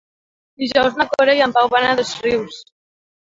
Dijous na Cora i en Pau van a Dosrius.